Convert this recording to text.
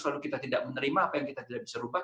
lalu kita tidak menerima apa yang kita tidak bisa ubah